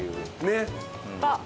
ねっ。